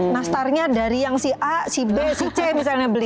nastarnya dari yang si a si b si c misalnya beli